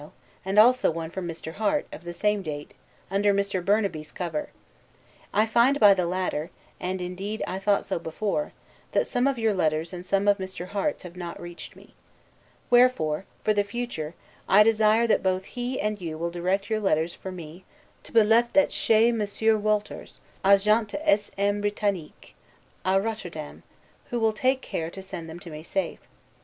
and also one from Mr. Harte, of the same date, under Mr. Burnaby's cover. I find by the latter, and indeed I thought so before, that some of your letters and some of Mr. Harte's have not reached me. Wherefore, for the future, I desire, that both he and you will direct your letters for me, to be left ches Monsieur Wolters, Agent de S. M. Britanique, a Rotterdam, who will take care to send them to me safe.